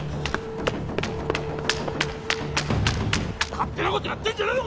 勝手なことやってんじゃねえぞ